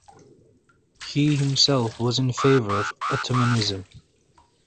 He himself was in favour of Ottomanism.